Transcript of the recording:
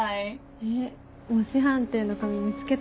えっ模試判定の紙見つけたの？